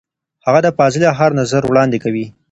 هغه د فاضله ښار نظر وړاندې کوي.